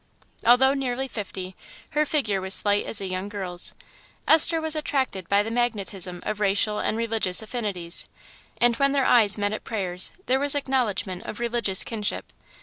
Although nearly fifty, her figure was slight as a young girl's. Esther was attracted by the magnetism of racial and religious affinities; and when their eyes met at prayers there was acknowledgment of religious kinship.